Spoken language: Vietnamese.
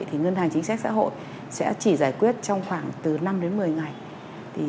thì ngân hàng chính sách xã hội sẽ chỉ giải quyết trong khoảng từ năm đến một mươi ngày